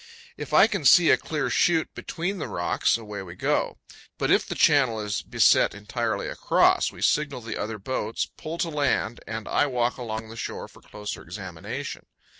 If I can see a clear chute between the rocks, away we go; but if the channel is beset entirely across, we signal the other boats, pull to land, and I walk along the shore for closer examination.